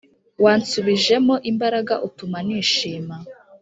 wansubije mo imbaraga utuma nishima